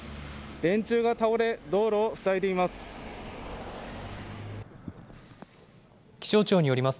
電柱が倒れ、道路を塞いでいます。